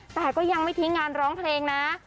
แต่ก็ยังไม่ทิ้งงานร้องเพลงนะ